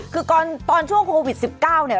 คือตอนช่วงโควิด๑๙เนี่ย